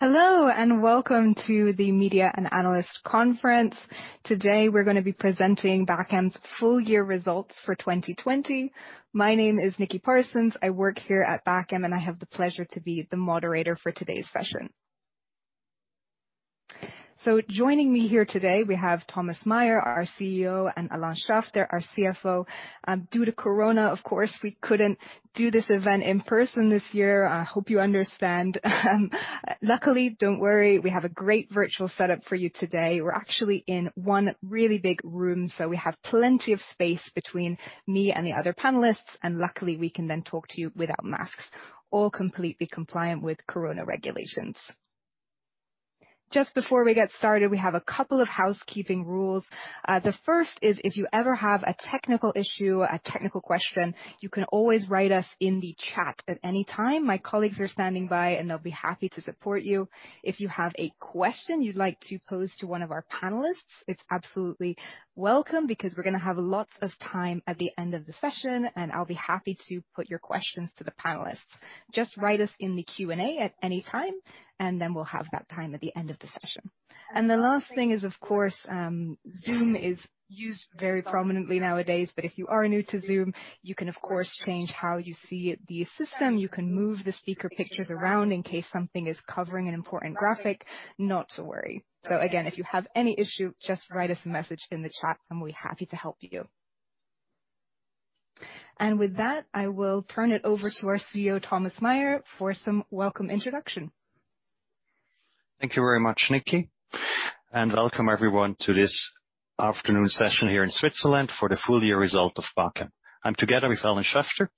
Hello, welcome to the Media and Analyst Conference. Today, we're going to be presenting Bachem's full-year results for 2020. My name is Nikki Parsons. I work here at Bachem, and I have the pleasure of being the moderator for today's session. Joining me here today are Thomas Meier, our CEO, and Alain Schaffter, our CFO. Due to Corona, of course, we couldn't do this event in person this year. I hope you understand. Luckily, don't worry, we have a great virtual setup for you today. We're actually in one really big room, we have plenty of space between the other panelists and me, luckily, we can then talk to you without masks, all completely compliant with Corona regulations. Just before we get started, we have a couple of housekeeping rules. The first is that if you ever have a technical issue or a technical question, you can always write us in the chat at any time. My colleagues are standing by, and they'll be happy to support you. If you have a question you'd like to pose to one of our panelists, it's absolutely welcome because we're going to have lots of time at the end of the session, and I'll be happy to put your questions to the panelists. Just write us in the Q&A at any time, and then we'll have that time at the end of the session. The last thing is, of course, Zoom is used very prominently nowadays, but if you are new to Zoom, you can, of course, change how you see the system. You can move the speaker pictures around in case something is covering an important graphic. Not to worry. Again, if you have any issues, just write us a message in the chat, and we'll be happy to help you. With that, I will turn it over to our CEO, Thomas Meier, for a welcome introduction. Thank you very much, Nikki. Welcome everyone to this afternoon's session here in Switzerland for the full-year results of Bachem. I'm together with Alain Schaffter.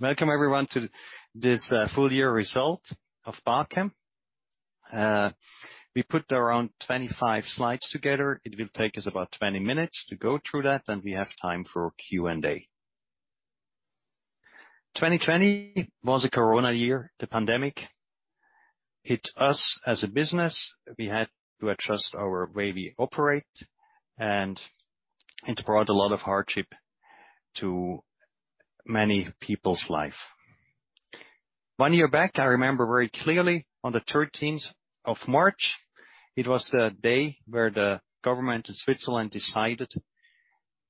Welcome, everyone, to this full year result of Bachem. We put around 25 slides together. It will take us about 20 minutes to go through that, then we have time for Q&A. 2020 was a Corona year. The pandemic hit us as a business. We had to adjust the way we operate, and it brought a lot of hardship to many people's lives. One year back, I remember very clearly, on the 13th of March, it was the day when the government in Switzerland decided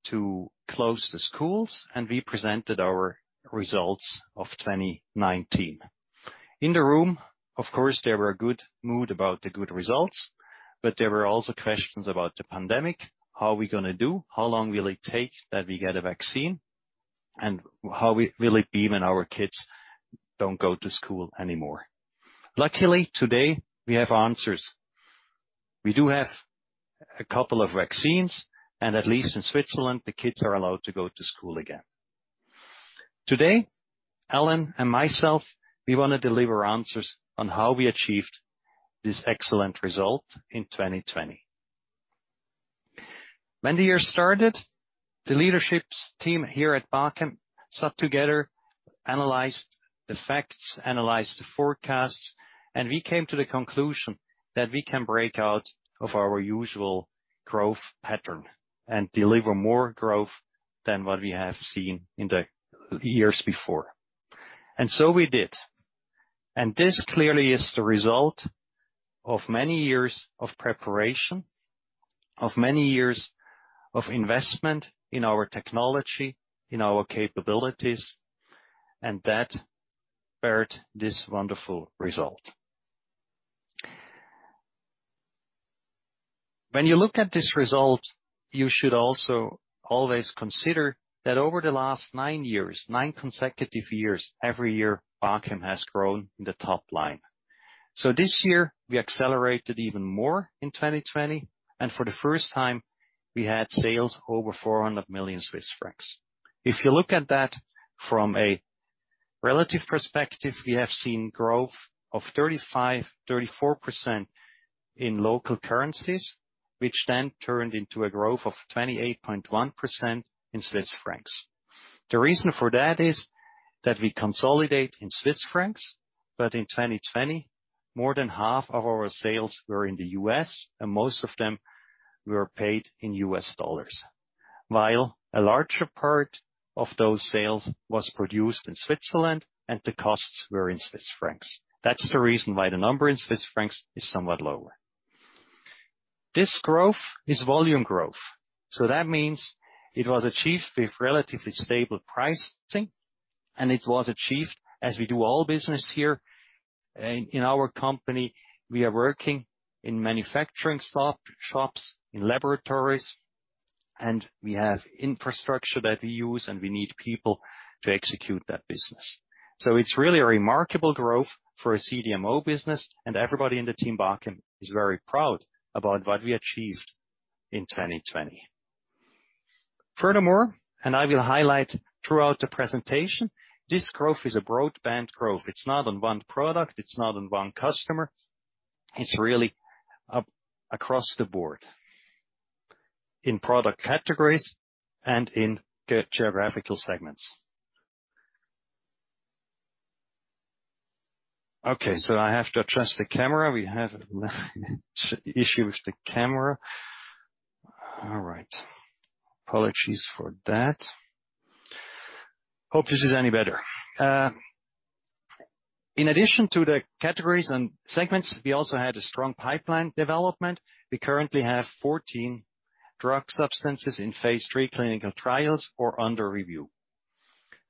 to close the schools, and we presented our results of 2019. In the room, of course, there was a good mood about the good results, but there were also questions about the pandemic. How are we going to do? How long will it take that we get a vaccine? How will it be when our kids don't go to school anymore? Luckily, today, we have answers. We do have a couple of vaccines, and at least in Switzerland, the kids are allowed to go to school again. Today, Alain and I want to deliver answers on how we achieved this excellent result in 2020. When the year started, the leadership team here at Bachem sat together, analyzed the facts, and analyzed the forecasts. We came to the conclusion that we can break out of our usual growth pattern and deliver more growth than we have seen in the years before. We did. This clearly is the result of many years of preparation, of many years of investment in our technology, in our capabilities, and that beared this wonderful result. When you look at this result, you should also always consider that over the last nine years, nine consecutive years, every year, Bachem has grown in the top line. This year, we accelerated even more in 2020, and for the first time, we had sales over 400 million Swiss francs. If you look at that from a relative perspective, we have seen growth of 35, 34% in local currencies, which then turned into a growth of 28.1% in CHF. The reason for that is that we consolidate in CHF, but in 2020, more than half of our sales were in the U.S., and most of them were paid in U.S. dollars, while a larger part of those sales was produced in Switzerland, and the costs were in CHF. That's the reason why the number in CHF is somewhat lower. This growth is volume growth. That means it was achieved with relatively stable pricing, and it was achieved as we do all business here in our company. We are working in manufacturing shops, in laboratories, and we have infrastructure that we use, and we need people to execute that business. It's really a remarkable growth for a CDMO business, and everybody in the team at Bachem is very proud of what we achieved in 2020. Furthermore, and I will highlight throughout the presentation, this growth is a broadband growth. It's not on one product; it's not on one customer. It's really across the board in product categories and in geographical segments. I have to adjust the camera. We have an issue with the camera. All right. Apologies for that. Hope this is any better. In addition to the categories and segments, we also had a strong pipeline development. We currently have 14 drug substances in phase III clinical trials or under review.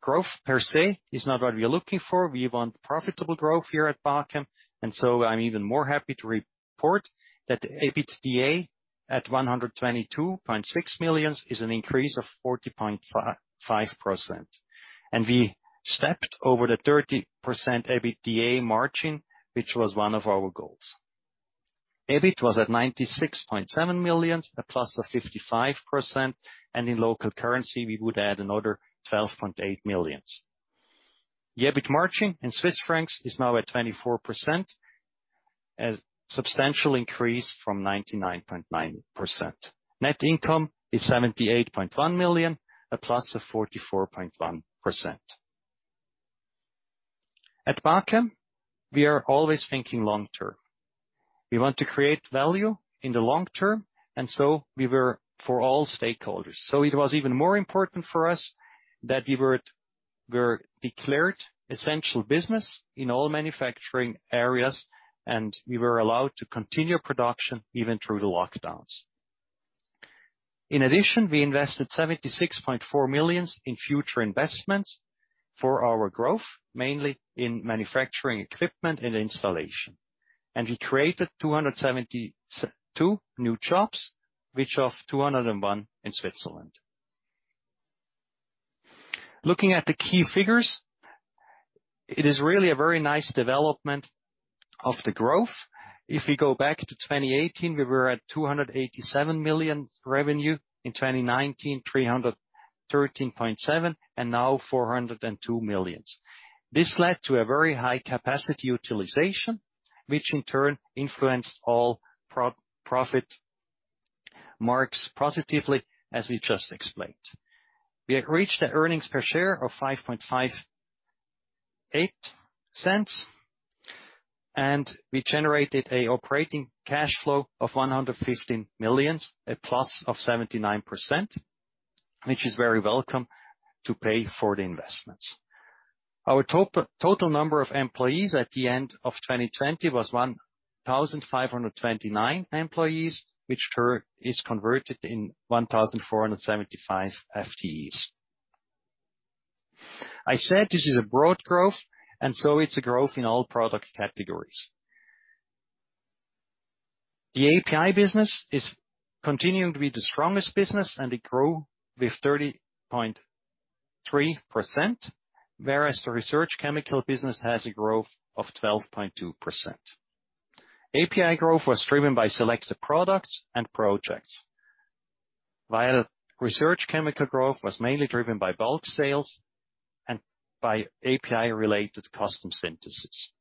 Growth, per se, is not what we are looking for. We want profitable growth here at Bachem. I'm even happier to report that the EBITDA at 122.6 million is an increase of 40.5%. We stepped over the 30% EBITDA margin, which was one of our goals. EBIT was at 96.7 million, a plus of 55%. In local currency, we would add another 12.8 million. The EBIT margin in Swiss francs is now at 24%, a substantial increase from 19.9%. Net income is 78.1 million, a plus of 44.1%. At Bachem, we are always thinking long-term. We want to create value in the long term, and so we were for all stakeholders. It was even more important for us that we were declared essential businesses in all manufacturing areas, and we were allowed to continue production even through the lockdowns. In addition, we invested 76.4 million in future investments for our growth, mainly in manufacturing equipment and installation. We created 272 new jobs, of which 201 are in Switzerland. Looking at the key figures, it is really a very nice development in the growth. If we go back to 2018, we were at 287 million in revenue, in 2019, 313.7, and now 402 million. This led to a very high capacity utilization, which in turn influenced all profit marks positively, as we just explained. We have reached the earnings per share of 0.0558, and we generated an operating cash flow of 115 million, a plus of 79%, which is very welcome to pay for the investments. Our total number of employees at the end of 2020 was 1,529, which is converted to 1,475 FTEs. I said this is a broad growth, and so it's a growth in all product categories. The API business is continuing to be the strongest business, and it grew with 30.3%, whereas the research chemicals business has a growth of 12.2%. API growth was driven by selected products and projects. While research chemicals growth was mainly driven by bulk sales and by API-related custom synthesis.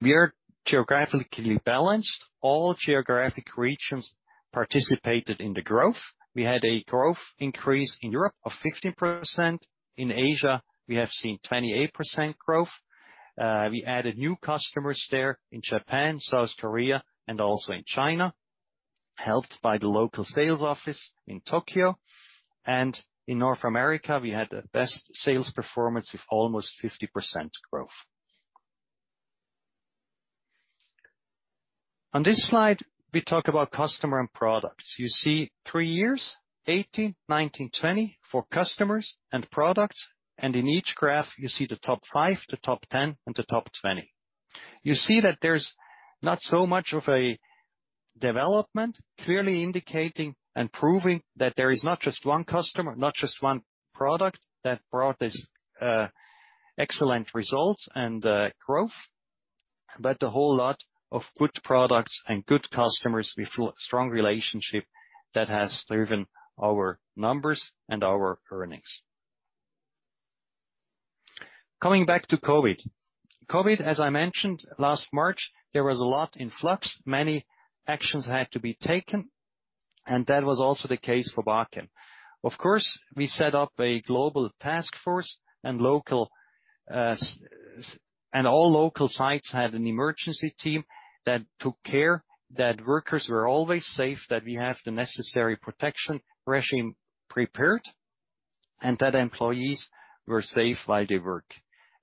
We are geographically balanced. All geographic regions participated in the growth. We had a growth increase in Europe of 15%. In Asia, we have seen 28% growth. We added new customers in Japan, South Korea, and also in China, helped by the local sales office in Tokyo. In North America, we had the best sales performance with almost 50% growth. On this slide, we talk about customers and products. You see three years, 2018, 2019, 2020, for customers and products, and in each graph, you see the top 5, the top 10, and the top 20. You see that there's not so much of a development, clearly indicating and proving that there is not just one customer, not just one product that brought these excellent results and growth, but a whole lot of good products and good customers with strong relationships that have driven our numbers and our earnings. Coming back to COVID. COVID, as I mentioned last March, was a lot in flux. Many actions had to be taken, and that was also the case for Bachem. Of course, we set up a global task force and all local sites had an emergency team that took care that workers were always safe, that we had the necessary protection regime prepared, and that employees were safe while they worked.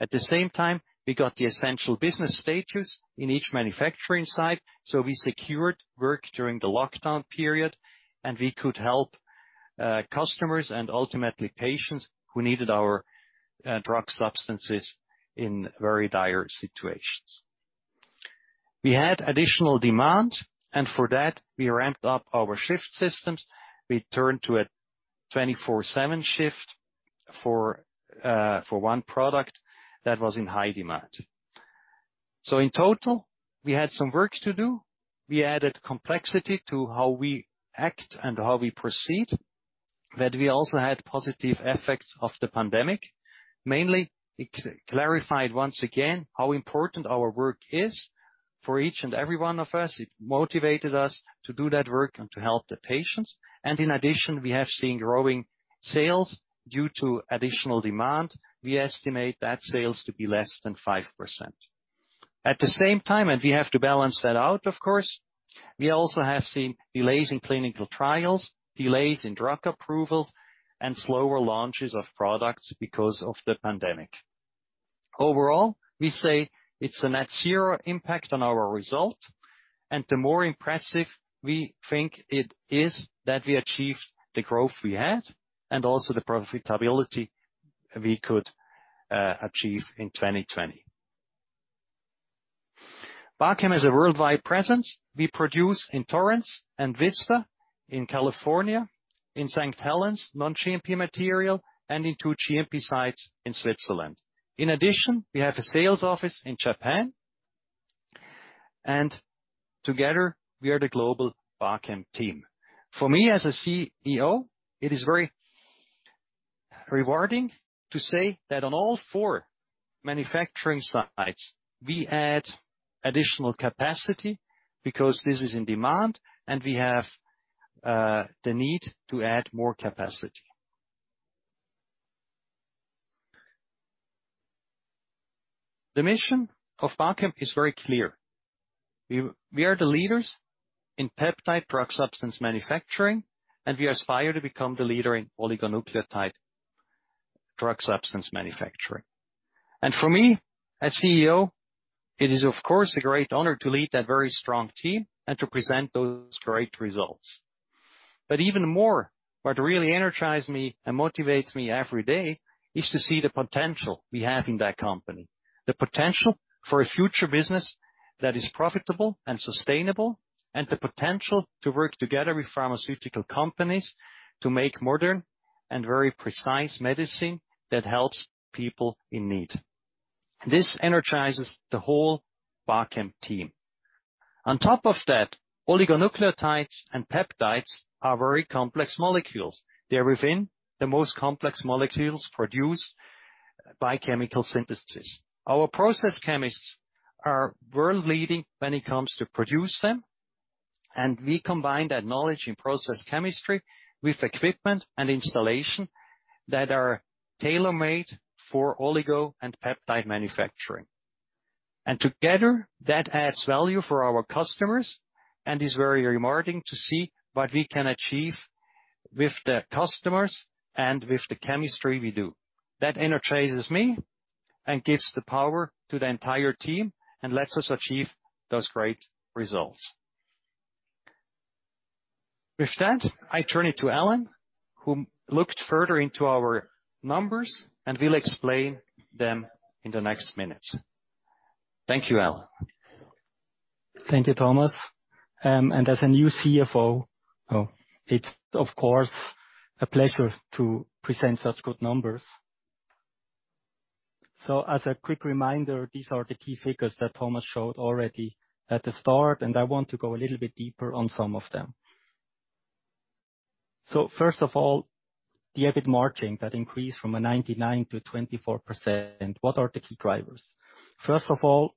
At the same time, we got the essential business status in each manufacturing site, so we secured work during the lockdown period, and we could help customers and ultimately patients who needed our drug substances in very dire situations. For that, we ramped up our shift systems. We turned to a 24/7 shift for one product that was in high demand. In total, we had some work to do. We added complexity to how we act and how we proceed; we also had positive effects of the pandemic. Mainly, it clarified once again how important our work is. For each and every one of us, it motivated us to do that work and to help the patients. In addition, we have seen growing sales due to additional demand. We estimate that sales will be less than 5%. At the same time, we have to balance that out. Of course, we have also seen delays in clinical trials, delays in drug approvals, and slower launches of products because of the pandemic. Overall, we say it's a net zero impact on our result, and we think it is more impressive that we achieved the growth we had and also the profitability we could achieve in 2020. Bachem has a worldwide presence. We produce in Torrance and Vista in California, in St. Helens, non-GMP material, and in two GMP sites in Switzerland. In addition, we have a sales office in Japan, and together we are the global Bachem team. For me as a CEO, it is very rewarding to say that on all four manufacturing sites, we add additional capacity, because this is in demand, and we have the need to add more capacity. The mission of Bachem is very clear. We are the leaders in peptide drug substance manufacturing; we aspire to become the leaders in oligonucleotide drug substance manufacturing. For me as CEO, it is, of course, a great honor to lead that very strong team and to present those great results. Even more, what really energizes and motivates me every day is to see the potential we have in that company, the potential for a future business that is profitable and sustainable, and the potential to work together with pharmaceutical companies to make modern and very precise medicine that helps people in need. This energizes the whole Bachem team. On top of that, oligonucleotides and peptides are very complex molecules. They're among the most complex molecules produced by chemical synthesis. Our process chemists are world-leading when it comes to producing them. We combine that knowledge in process chemistry with equipment and installation that are tailor-made for oligo and peptide manufacturing. Together, that adds value for our customers and is very rewarding to see what we can achieve with the customers and with the chemistry we do. That energizes me and gives the power to the entire team, and lets us achieve those great results. With that, I turn to Alain, who looked further into our numbers and will explain them in the next few minutes. Thank you, Alain. Thank you, Thomas. As a new CFO, it's of course a pleasure to present such good numbers. As a quick reminder, these are the key figures that Thomas showed already at the start, and I want to go a little bit deeper on some of them. First of all, the EBIT margin increased from 19.9% to 24%. What are the key drivers? First of all,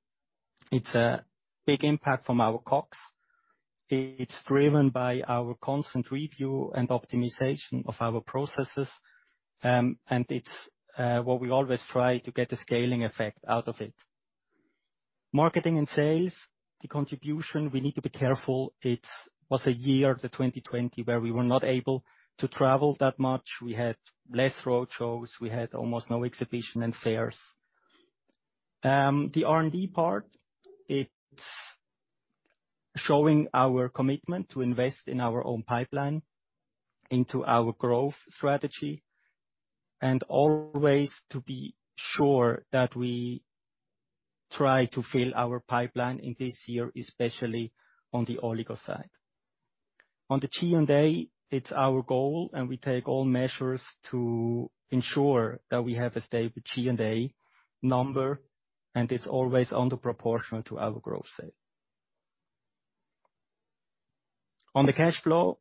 it has a big impact on our COGS. It's driven by our constant review and optimization of our processes, and it's what we always try to get the scaling effect out of it. Marketing and sales, the contribution, we need to be careful. It was a year, the 2020, where we were not able to travel that much. We had less road shows, we had almost no exhibitions and fairs. The R&D part is showing our commitment to invest in our own pipeline, in our growth strategy, and always to be sure that we try to fill our pipeline in this year, especially on the oligo side. On the G&A, it's our goal, and we take all measures to ensure that we have a stable G&A number, and it's always proportional to our growth in sales. On the cash flow,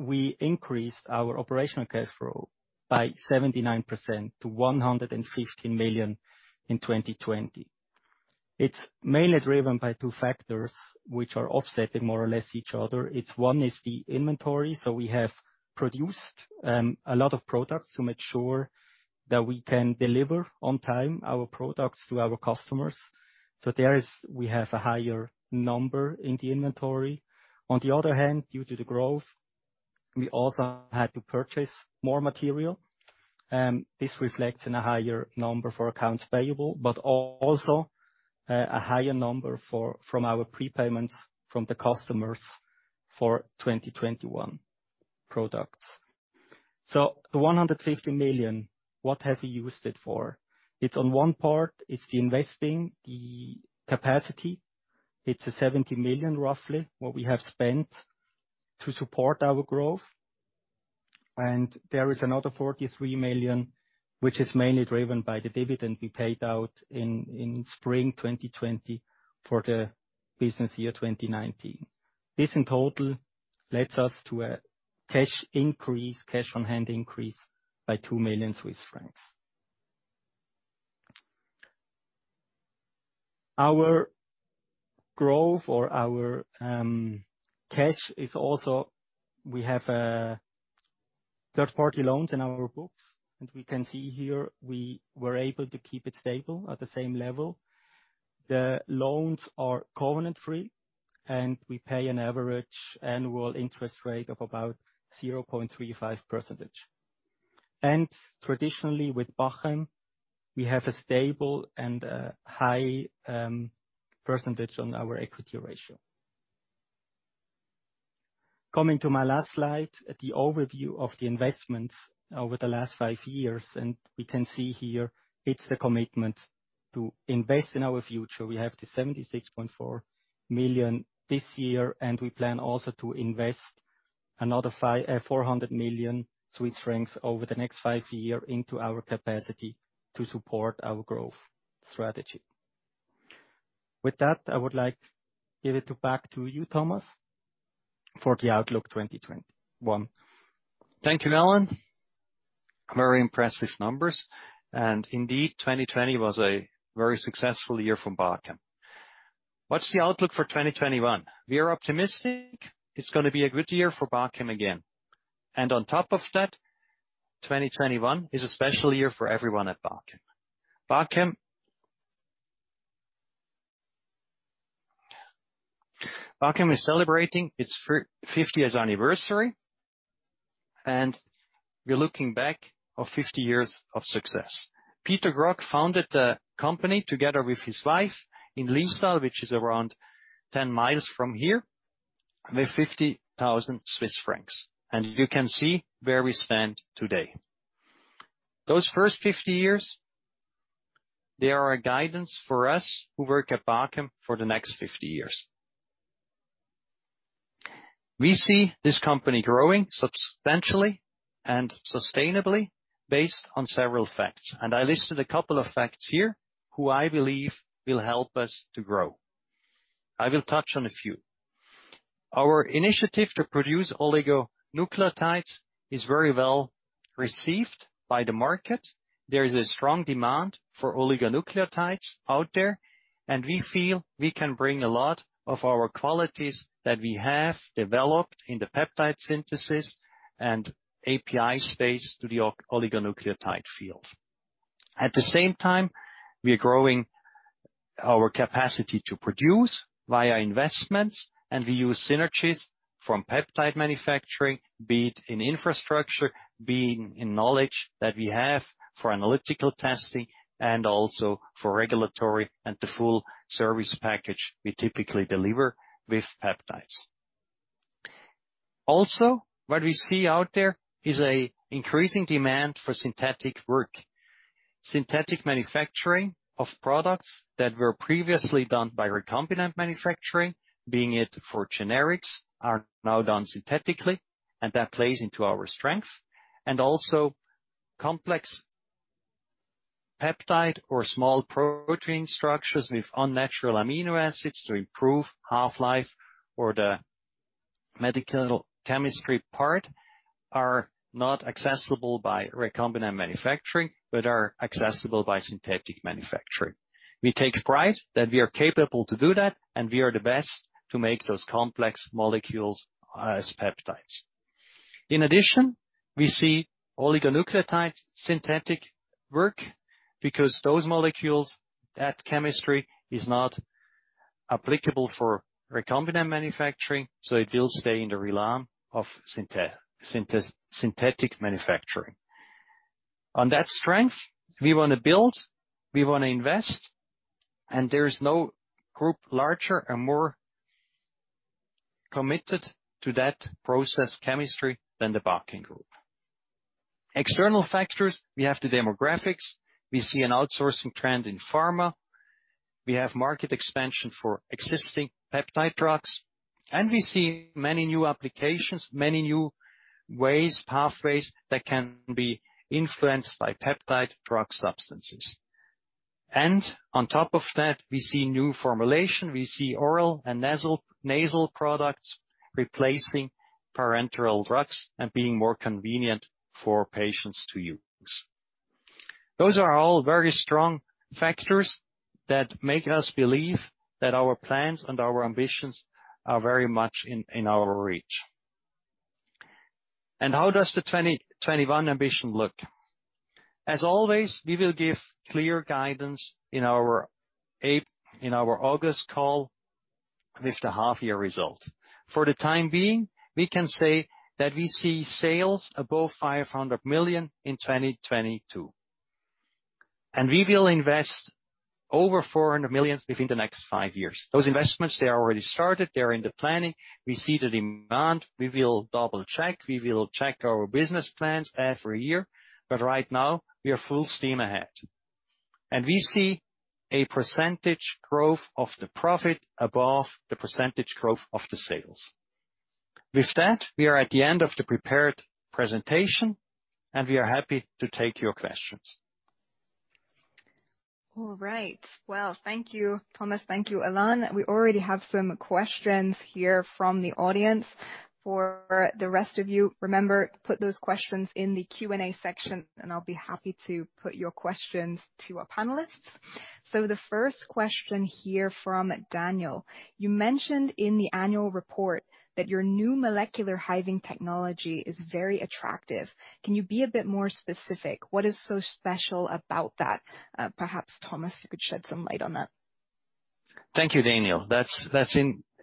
we increased our operational cash flow by 79% to 115 million in 2020. It's mainly driven by two factors, which are offsetting each other more or less. One is the inventory. We have produced a lot of products to make sure that we can deliver our products on time to our customers. There, we have a higher number in the inventory. On the other hand, due to the growth, we also had to purchase more material. This reflects in a higher number for accounts payable, also a higher number from our prepayments from the customers for 2021 products. The 115 million, what have we used it for? It's on one part, it's the investing, the capacity. It's roughly 70 million that we have spent to support our growth. There is another 43 million, which is mainly driven by the dividend we paid out in spring 2020 for the business year 2019. This in total leads us to a cash increase, cash on hand increase, by CHF 2 million. We have third-party loans in our books, and we can see here that we were able to keep it stable at the same level. The loans are covenant-free, and we pay an average annual interest rate of about 0.35%. Traditionally, with Bachem, we have a stable and high percentage on our equity ratio. Coming to my last slide, the overview of the investments over the last five years, we can see here that it's the commitment to invest in our future. We have the 76.4 million this year, and we also plan to invest another 400 million Swiss francs over the next five years into our capacity to support our growth strategy. With that, I would like to give it back to you, Thomas, for the outlook 2021. Thank you, Alain. Very impressive numbers. Indeed, 2020 was a very successful year for Bachem. What's the outlook for 2021? We are optimistic it's going to be a good year for Bachem again. On top of that, 2021 is a special year for everyone at Bachem. Bachem is celebrating its 50th anniversary, and we are looking back on 50 years of success. Peter Grogg founded the company together with his wife in Liestal, which is around 10 miles from here, with 50,000 Swiss francs. You can see where we stand today. Those first 50 years, they are a guide for us who work at Bachem for the next 50 years. We see this company growing substantially and sustainably based on several facts. I listed a couple of facts here that I believe will help us to grow. I will touch on a few. Our initiative to produce oligonucleotides is very well received by the market. There is a strong demand for oligonucleotides out there, and we feel we can bring a lot of our qualities that we have developed in the peptide synthesis and API space to the oligonucleotide field. At the same time, we are growing our capacity to produce via investments, and we use synergies from peptide manufacturing, be it in infrastructure, in knowledge that we have for analytical testing, and also for regulatory, and the full service package we typically deliver with peptides. Also, what we see out there is an increasing demand for synthetic work. Synthetic manufacturing of products that were previously done by recombinant manufacturing, whether for generics, is now done synthetically, and that plays into our strength. Also, complex peptide or small protein structures with unnatural amino acids to improve half-life or the medicinal chemistry part are not accessible by recombinant manufacturing, but are accessible by synthetic manufacturing. We take pride in being capable of doing that, and we are the best at making those complex molecules as peptides. In addition, we see oligonucleotide synthetic work because those molecules, for which chemistry is not applicable for recombinant manufacturing, will stay in the realm of synthetic manufacturing. On that strength, we want to build, we want to invest, and there is no group larger and more committed to that process chemistry than the Bachem Group. External factors, we have the demographics. We see an outsourcing trend in pharma. We have market expansion for existing peptide drugs, and we see many new applications, many new ways, pathways that can be influenced by peptide drug substances. On top of that, we see new formulations, we see oral and nasal products replacing parenteral drugs and being more convenient for patients to use. Those are all very strong factors that make us believe that our plans and our ambitions are very much in our reach. How does the 2021 ambition look? As always, we will give clear guidance in our August call on the half-year results. For the time being, we can say that we see sales above 500 million in 2022. We will invest over 400 million within the next five years. Those investments they are already started. They're in the planning. We see the demand. We will double-check. We will check our business plans every year, but right now, we are full steam ahead. We see a % growth of the profit above the % growth of the sales. With that, we are at the end of the prepared presentation, and we are happy to take your questions. All right. Well, thank you, Thomas. Thank you, Alain. We already have some questions here from the audience. For the rest of you, remember, put those questions in the Q&A section, and I'll be happy to put your questions to our panelists. The first question here from Daniel. "You mentioned in the annual report that your new Molecular Hiving technology is very attractive. Can you be a bit more specific? What is so special about that?" Perhaps Thomas, you could shed some light on that. Thank you, Daniel. That's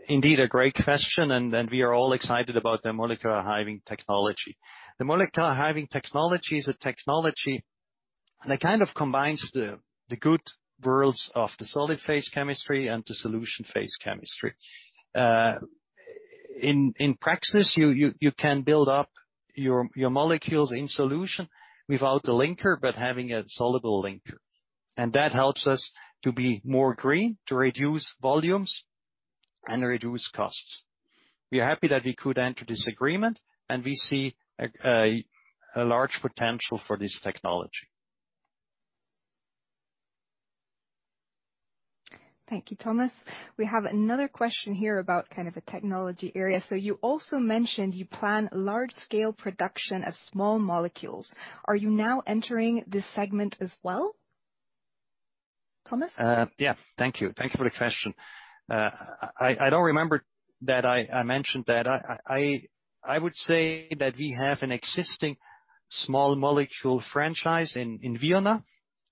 indeed a great question, and we are all excited about the Molecular Hiving technology. The Molecular Hiving technology is a technology that kind of combines the good worlds of the solid phase chemistry and the solution phase chemistry. In practice, you can build up your molecules in solution without a linker, but with a soluble linker. That helps us to be more green, to reduce volumes, and reduce costs. We are happy that we could enter this agreement, and we see a large potential for this technology. Thank you, Thomas. We have another question here about a kind of technology area. You also mentioned you plan a large-scale production of small molecules. Are you now entering this segment as well? Thomas? Yeah. Thank you. Thank you for the question. I do not remember that I mentioned that. I would say that we have an existing small,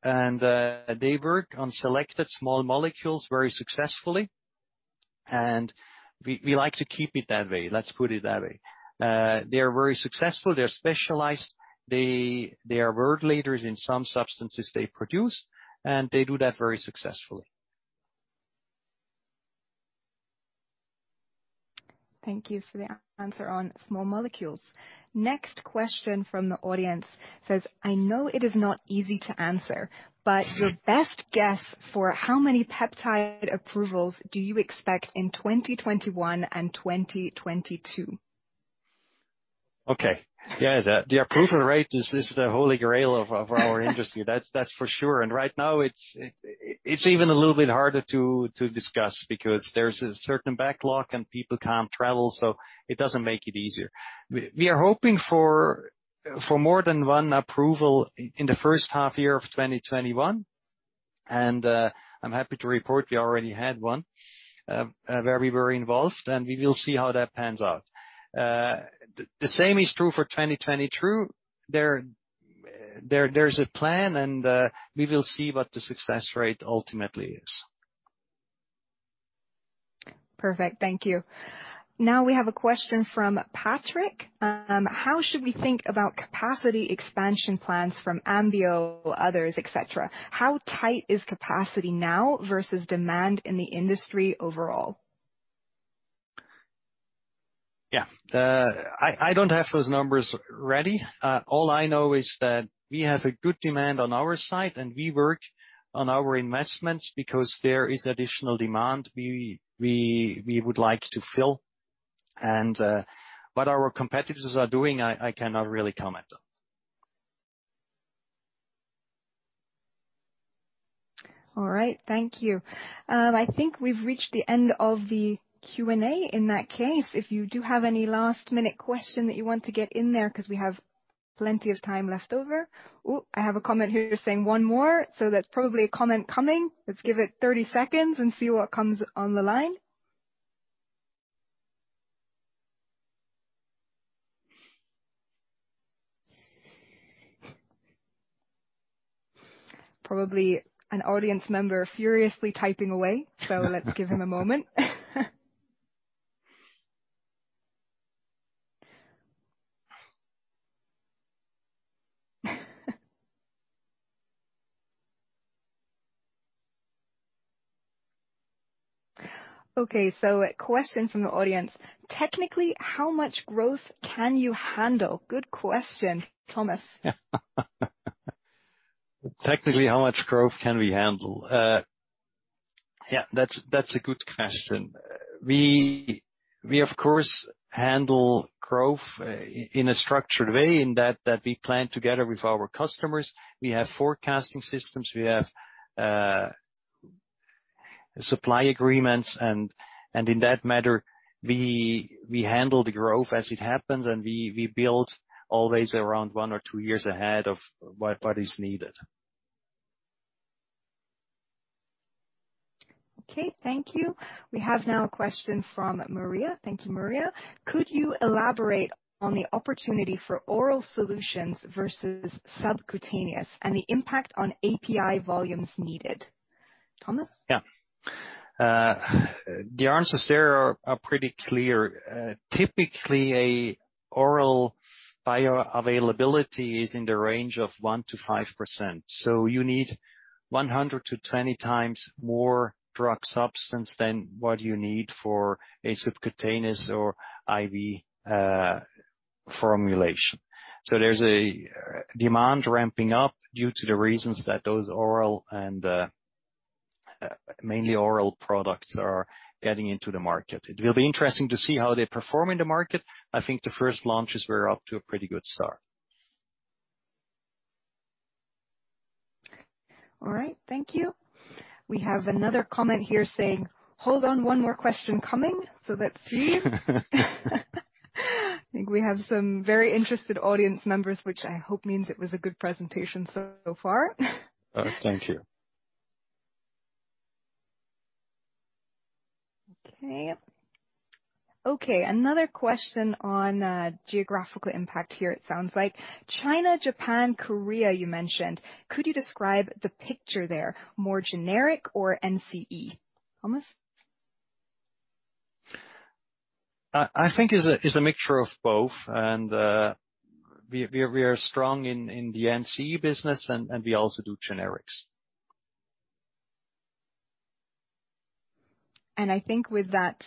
and they work on selected small molecules very successfully, and we like to keep it that way. Let's put it that way. They are very successful. They are specialized. They are world leaders in some substances they produce, and they do that very successfully. Thank you for the answer on small molecules. Next question from the audience says, "I know it is not easy to answer, but your best guess for how many peptide approvals do you expect in 2021 and 2022? Okay. Yeah. The approval rate is the holy grail of our industry. That's for sure. Right now, it's even a little bit harder to discuss because there's a certain backlog, and people can't travel, so it doesn't make it easier. We are hoping for more than one approval in the first half of 2021. I'm happy to report we already had one, where we were involved, and we will see how that pans out. The same is true for 2022. There's a plan, and we will see what the success rate ultimately is. Perfect. Thank you. We have a question from Patrick. "How should we think about capacity expansion plans from AmbioPharm, others, et cetera? How tight is capacity now versus demand in the industry overall? Yeah. I don't have those numbers ready. All I know is that we have a good demand on our side, and we work on our investments because there is additional demand we would like to fill. What our competitors are doing, I cannot really comment on. All right. Thank you. I think we've reached the end of the Q&A. In that case, if you do have any last-minute questions that you want to get in there, because we have plenty of time left over. I have a comment here saying one more. That's probably a comment coming. Let's give it 30 seconds and see what comes on the line. Probably an audience member furiously typing away, let's give him a moment. Okay. A question from the audience. "Technically, how much growth can you handle?" Good question. Thomas? Technically, how much growth can we handle? Yeah, that's a good question. We, of course, handle growth in a structured way, in that we plan together with our customers. We have forecasting systems, we have supply agreements. In that matter, we handle the growth as it happens, and we build always around one or two years ahead of what is needed. Okay. Thank you. We now have a question from Maria. Thank you, Maria. "Could you elaborate on the opportunity for oral solutions versus subcutaneous, and the impact on API volumes needed?" Thomas? Yeah. The answers there are pretty clear. Typically, an oral bioavailability is in the range of 1%-5%, so you need 100x-20x more drug substance than what you need for a subcutaneous or IV formulation. There's a demand ramping up due to the reasons that those oral and, mainly, oral products are getting into the market. It will be interesting to see how they perform in the market. I think the first launches were up to a pretty good start. All right. Thank you. We have another comment here saying, "Hold on, one more question coming." Let's see. I think we have some very interesting audience members, which I hope means it was a good presentation so far. Thank you. Okay. Another question on geographical impact here, it sounds like. "China, Japan, Korea, you mentioned. Could you describe the picture there? More generic or NCE?" Thomas? I think it's a mixture of both. We are strong in the NCE business and we also do generics. I think with that,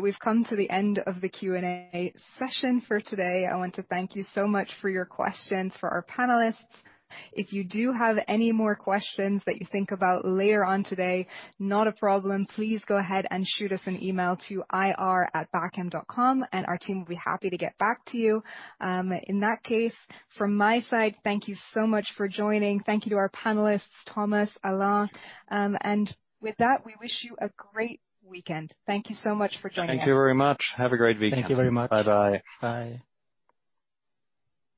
we've come to the end of the Q&A session for today. I want to thank you so much for your questions for our panelists. If you do have any more questions that you think about later on today, not a problem. Please go ahead and shoot us an email to ir@bachem.com, and our team will be happy to get back to you. In that case, from my side, thank you so much for joining. Thank you to our panelists, Thomas and Alain. With that, we wish you a great weekend. Thank you so much for joining us. Thank you very much. Have a great weekend. Thank you very much. Bye-bye. Bye.